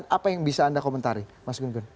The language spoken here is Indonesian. apa yang bisa anda komentari mas gun gun